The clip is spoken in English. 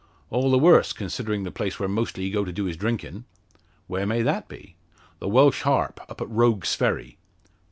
All the worse, considerin' the place where mostly he go to do his drinkin'." "Where may that be?" "The Welsh Harp up at Rogue's Ferry."